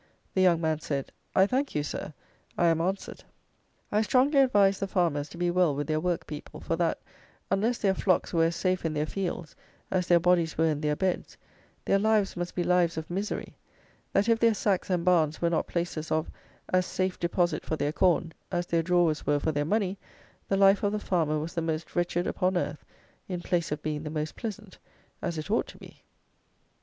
The young man said: "I thank you, Sir; I am answered." I strongly advised the farmers to be well with their work people; for that, unless their flocks were as safe in their fields as their bodies were in their beds, their lives must be lives of misery; that if their sacks and barns were not places of as safe deposit for their corn as their drawers were for their money, the life of the farmer was the most wretched upon earth, in place of being the most pleasant, as it ought to be.